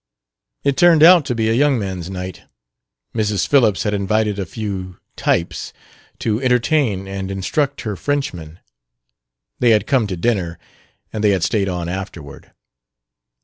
It turned out to be a young man's night. Mrs. Phillips had invited a few "types" to entertain and instruct her Frenchman. They had come to dinner, and they had stayed on afterward.